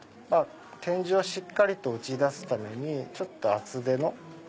点字をしっかりと打ち出すためにちょっと厚手の。